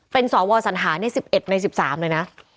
เป็นสวสัญหาใน๑๑ใน๑๓เลยนะ